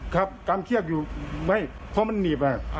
กำเชือกอยู่ไม่เพราะมันหนีบ